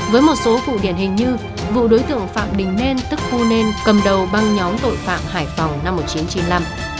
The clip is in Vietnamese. với một số vụ điển hình như vụ đối tượng phạm đình nên tức khu nên cầm đầu băng nhóm tội phạm hải phòng năm một nghìn chín trăm chín mươi năm